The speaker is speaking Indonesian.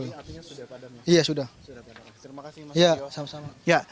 terima kasih mas rio